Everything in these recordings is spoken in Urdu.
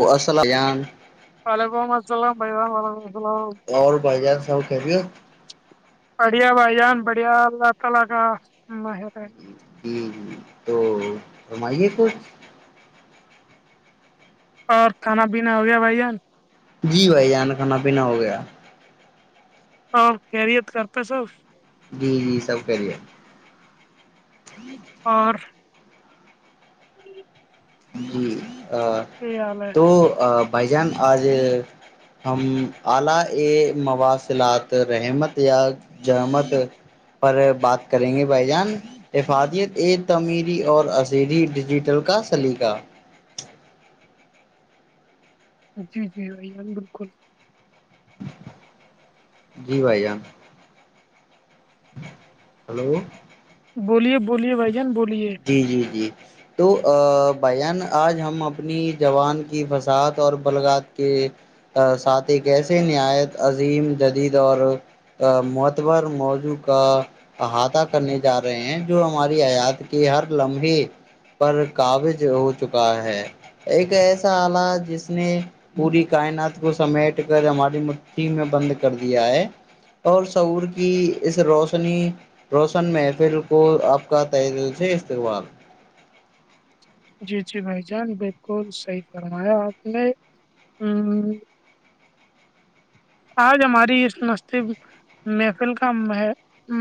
وہسلان وعلیکم السلام بھائی جان وعلیکم السلام اور بھائی جان سب خیریت بڑھیا بھائی جان بڑھیا اللہ تعالا کا مہر ہے تو ہممائیے کچھ اور کھانا پینا ہو گیا بھائی جان جی بھائی یہان کھانا پینا ہو گیا اور کیریت کرتے سب جی جی سب کریے اور جی چیالے تو بھائی جان آج ہم اعلی یہ مواصلات رحمت یا جہمت پر بات کریں گے بھائی جان افادیت ایک تمیری اور عزری ڈیجیٹل کا سلیقہ جی جی بھان بالکل جی بھائی جان ہلو بولیے بولیے بھ جان بولیے جی جی جی تو بان آج ہم اپنی زبان کی فساعات اور بلگات کہ ساتھ ہی ایسے نہایت عظیم جدید اور معتبر موضوع کا احاطہ کرنے جا رہے ہیں جو ہماری آیات کہ ہر لمحے پر کاابز ہو چکا ہے ایک ایسا آلہ جس نے پوری کائنات کو سمیٹ کر ہماری مٹھی میں بند کر دیا ہے اور سعور کی اس روشنی روشن محفل کو آپ کا تہل سے استقبال جی جی بھائی جان بالکل صحی فرمایا آپ نے آج ہماری اس مس محفل کا م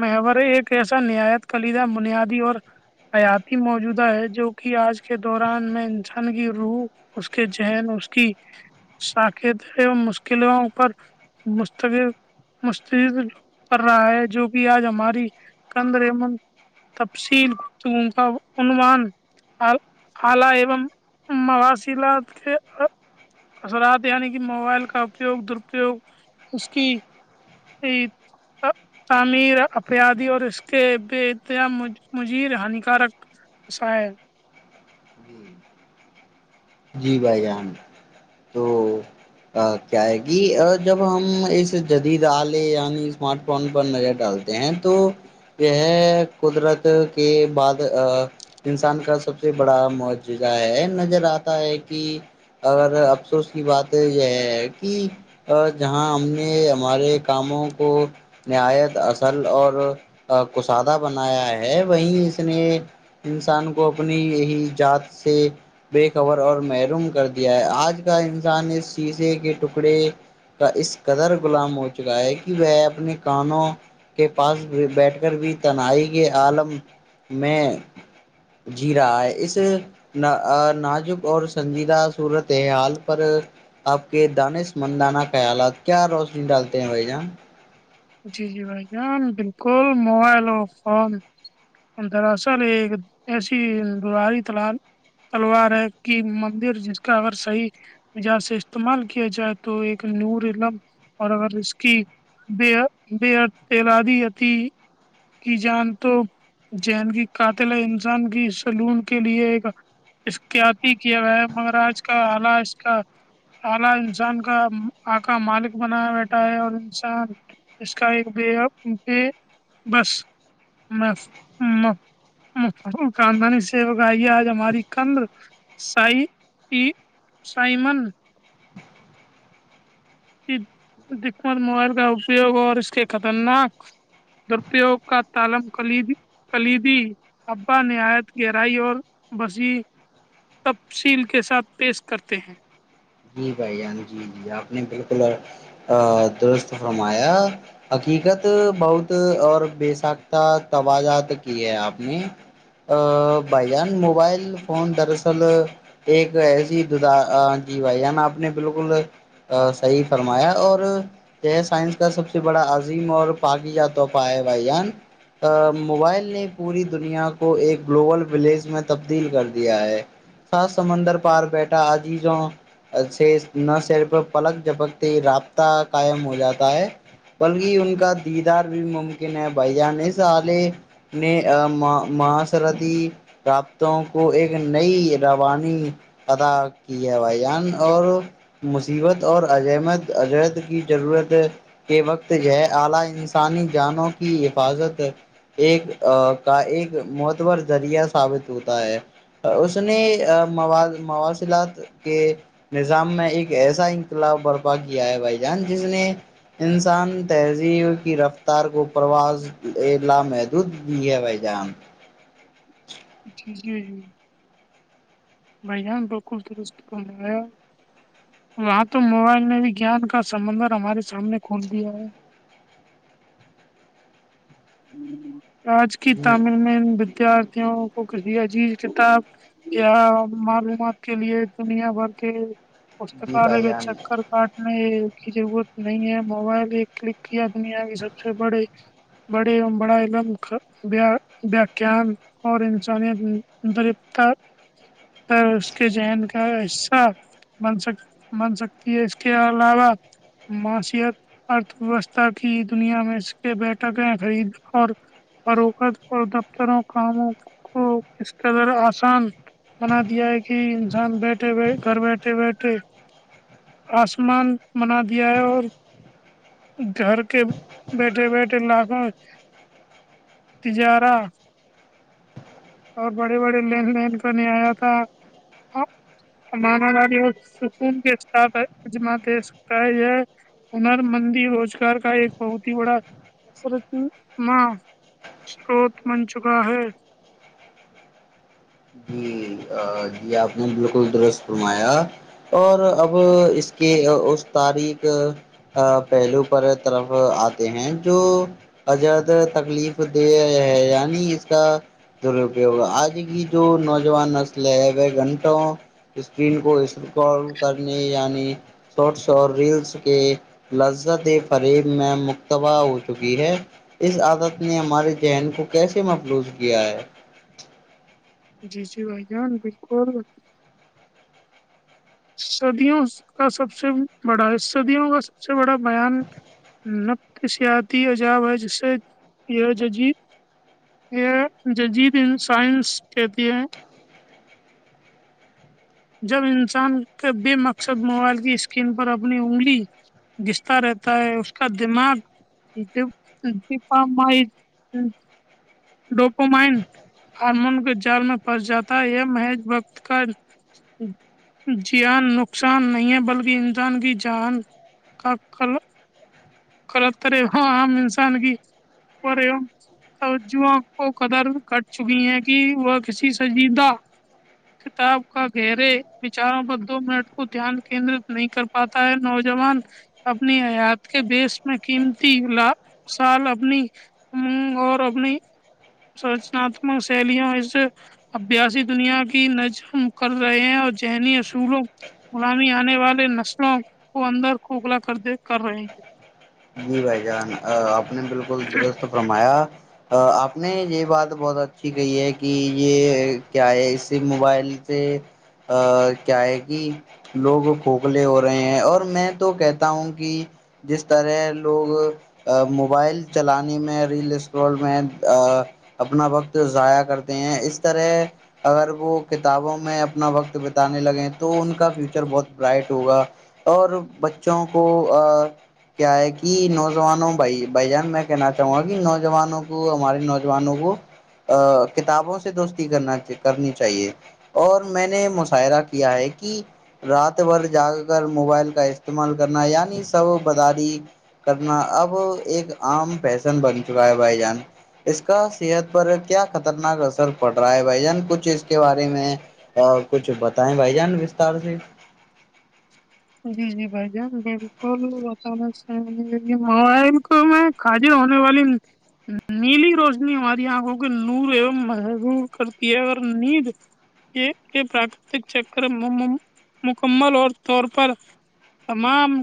محور ایک ایسا نہایت کلیدہ بنیادی اور حیاتی موجودہ ہے جو کہ آج کے دوران میں انسان کی روح اس کے ذہن اس کی سااکیت مشکلوں پر مستقل مستد رہا ہے جو کہ آج ہماری کند رمن تفصیل گفتگوں کا عوان آ آلہ مواصلات کے اثرات یعنی کہ موبائل کا اپیوگ درپیوگ اس کی ہاں تعمیر ایادی اور اس کے بے اتیاام مجیر ہانیکارک شاید جی بھائی جان تو کیا ہے کہ جب ہم اس جدید آلے یعنی اسمارٹ فون پر نظر ڈالتے ہیں تو یہ قدرت کے بعد انسان کا سب سے بڑا معجرہ ہے نظر آتا ہے کہ اگر افسوس کی بات یہ ہے کہ ا جہاں ہم نے ہمارے کاموں کو نایت اصل اور کسادہ بنایا ہے وہیں اس نے انسان کو اپنی یہی جذات سے کور اور محروم کر دیا ہے آج کا انسان اس شیزے کے ٹکڑے کا اس قدر غلام ہو چکا ہے کہ وہ اپنے کانوں کے پاس بیٹھ کر بھی تنہائی کے عالم میں جیرا ہے اس ناچ اور سنجیدہ صورت حال پر آپ کے دانش مندانہ خیالات کیا روشنی ڈالتے ہیں بھائی جان جی جی بھائی جان بالکل موبائل اور فون دراصل ایک ایسی دوراری تلال تلوار ہے کہ مندر جس کا اگر صحیح یہاں سے استعمال کیا جائے تو ایک نور لب اور اگر اس کی بےد بےد تعلاادیتی کی جان تو ذین کی قاتل انسان کی سلون کے لیے ایک احتیاطی کیا گیا ہے مگر آج کا آالش کا الہ انسان کا آ کاا مالک بنایا بیٹھا ہے اور انسان اس کا ایک ب بے بس خاندانی سیوک آئیے آج ہماری کند سائی کی سائمن دق مت موبائل کا اپیوگ اور اس کے خطرناک درپیوگ کا تالم کلیی کلیدی ابا نہایت گہرائی اور بسی تفصیل کے ساتھ پیش کرتے ہیں جی بھائی جان جی جی آپ نے بالکل درست فرمایا حقیقت بہت اور بے سختا توجات کی ہے آپ نے بھائی جان موبائل فون دراصل ایک ایسی ددا جی بھائی نا آپ نے بالکل صحیح فرمایا اور یہ سائنس کا سب سے بڑا عظیم اور پاقی تحفہ ہے بھائی جان موبائل نے پوری دنیا کو ایک گلوبل ولیج میں تبدیل کر دیا ہے خاات سمندر پار بیٹھا عزیزوں سے نہ صرف پلک جپکتے رابطہ قائم ہو جاتا ہے بلکہ ان کا دیدار بھی ممکن ہے بھائی جان س والالے نے ما ماسرتی رابطوں کو ایک نئی روانی ادا کی ہے بھائی جان اور مصیبت اور عجمت عجد کی ضرورت [unintelligible] ایک کا ایک معتبور ذریعہ ثابت ہوتا ہے اس نے مو مواصلات کے نظام میں ایک ایسا انقلاب برپا کیا ہے بھائی جان جس نے [unintelligible] انسان تہذیب کی رفتار کو پرواز لامحدود دی ہے بھائی جان جی جی بھیا بالکل درست کرمایا وہاں تو موبائل نے بھی گان کا سمبندر ہمارے سامنے کھول دیا ہے آج کی جی تامل میں ان ودیارتھیوں کو کہیا جیز کتاب یا معلومات کے لیے دنیا بھر کے جی پستکالیہ بھائی کے جان چکر کاٹنے کی ضرورت نہیں ہے موبائل ایک کلک کیا د نہیں آگئی سب سے بڑے بڑے اوم بڑا علم وکھان [unintelligible] اور انسانیت طریفار پر اس کے جین کا حصہ بن سکتی بن سکتی ہے اس کے علاوہ معاشت ارتھ ویوستھا کی دنیا میں اس کے بیٹک ہیں خرید اور فروخت اور دفتروں کاموں کو کس قدر آسان بنا دیا ہے کہ انسان بیٹھے گھر بیٹھے بیٹھے آسمان منا دیا ہے اور [unintelligible] گھر کے بیٹھے بیٹھے لگوں تجارہ اور بڑی بڑی لینڈ لائن پ نہیں آیا تھا ہ مامااری سکون کے اجما دے سکتا ہے یہ ہنر مندی روزگار کا ایک بہت ہی بڑاچ ما سروت بن چکا ہے جی جی آپ نے بالکل درست فرمایا اور اب اس کی اس تاریخ پہلو پر طرف آتے ہیں جو ازاد تکلیف دے ہے یعنی اس کا درپیگ آج کی جو نوجوان نسل ہے وہ گھنٹوں اسکرین کو اس کال کرنے یعنی [unintelligible] شارٹس اور ریلس کے لذت فریب میں مکتبع ہو چکی ہے اس عادت نے ہمارے ذہن کو کیسے مفلوظ کیا ہے جی جی بھائی جان بالکل صدیوں کا سب سے بڑا ہے صدیوں کا سب سے بڑا بیان نفت سیاحتی عجاب ہے جسے یہ ججیر یہ ججید ان سائنس کہتی ہے [unintelligible] جب انسان کا بے مقصد موبائل کی اسکرین پر اپنی انگلی گستتا رہتا ہے اس کا دماغ جپم ڈوپومائن ہارمون کے جال میں پنس جاتا ہے یہ محض بکت کا جان نقصان نہیں ہے بلکہ انسان کی جان کا ک قلطرے ہ عام انسان کی کوو توجو کو قدر کٹ چکی ہیں کہ وہ کسی سنجیدہ کتاب [unintelligible] کا گہرے وچاروں پر دو منٹ کو دھیان کیندرت نہیں کر پاتا ہے نوجوان اپنی حیات کے بیس میں قیمتی لا سال اپنی ہ اور اب نہیں [unintelligible] سچناتمک شیلیاں اس ابیاسی دنیا کی نج کر رہے ہیں اور ذہنی اصولوں غلامی آنے والے نسلوں کو اندر کھکھلا کر د کر رہے ہیں جی بھائی جان آپ نے بالکل درست فرمایا آپ نے یہ بات بہت اچھی کہ ہے کہ یہ کیا ہے اس سے موبائل سے ا کیا ہے کہ لوگ کھوکھلے ہو رہے ہیں اور میں تو کہتا ہوں کہ جس طرح لوگ موبائل چلانے میں ریل اسٹرول میں اپنا وقت ضائع کرتے ہیں اس طرح اگر وہ کتابوں میں اپنا وقت بتانے لگے تو ان کا فیوچر بہت برائٹ ہوگا اور بچوں کو کیا ہے کہ کہ نوجوانوں بھائی بھ جان میں کہنا چاہوں گا کہ نوجوانوں کو ہمارے نوجوانوں کو کتابوں سے دوستی کرنا کرنی چاہیے اور میں نے مظاہرہ کیا ہے کہ رات بھر جا کر موبائل کا استعمال کرنا یعنی سب بازاری کرنا اب ایک عام پیشن بن چکا ہے بھائی جان اس کا صحت پر کیا خطرناک اثر پڑ رہا ہے بھائی جان کچھ اس کے بارے میں اور کچھ بتائیں بھائی جان وستار سے جی جی بھ جان بالکل ب مائ کو میں خادی ہونے والی نیلی روشنی ہماری آنکھوں کے نور ایوم محدور کرتی ہے اگر نیند یہ یہ پراکرتک چکر مکمل اور طور پر پر تمام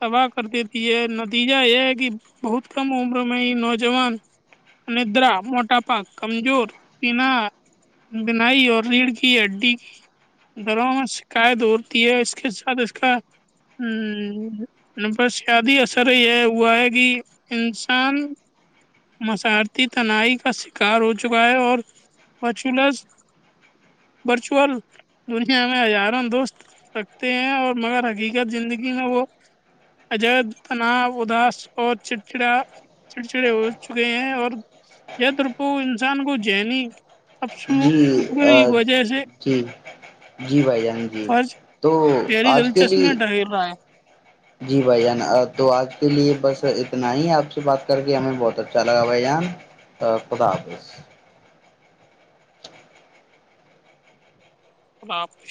تباہ کر دی ت یہ نتیجہ یہ ہے کہ بہت کم عمر میں یہ نوجوان ندرا موٹا پااک کمزور پنا بنائی اور ریڑھ کی ہڈی گروں میں شکایت ہوتی ہے اس کے دس کا ہاں ان پر سیاادی اثر یہ ہے ہوا ہے کہ انسان مسارتی تنائی کا شکار ہو چکا ہے اور وچس ورچوئل دنیا میں ہزارہ دوست ہیں اور مگر حقیقت زندگی میں وہ اجید تناؤ اداس اور چٹڑا چڑچڑے ہو چکے ہیں اور ترپو انسان کو نی جی جی جی بھائی جان جی فرض تو گہری آج کے دلچسپ لیے میں ڈھیر رہا ہے جی بھائی جان تو آج کے لیے بس اتنا ہی آپ سے بات کر کے ہمیں بہت اچھا لگا بھائی جان خدپس اللہپش